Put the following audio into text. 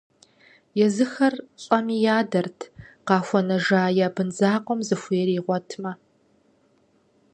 Езыхэр лӀэми ядэрт, къахуэнэжа я бын закъуэм зыхуейр игъуэтмэ.